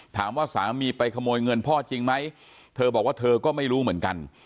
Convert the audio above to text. ถามว่าสามีไปขโมยเงินพ่อจริงไหมเธอบอกว่าเธอก็ไม่รู้เหมือนกัน